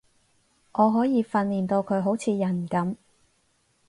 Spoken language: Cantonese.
我可以訓練到佢好似人噉